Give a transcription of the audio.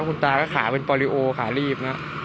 ขาก็ขาเป็นปอลิโอขาลีบ